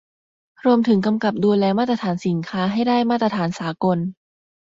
รวมถึงกำกับดูแลมาตรฐานสินค้าให้ได้มาตรฐานสากล